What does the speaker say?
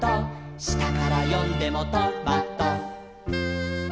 「したからよんでもト・マ・ト」